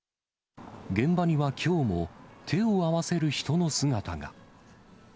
現場にはきょうも、手を合わせる人の姿が。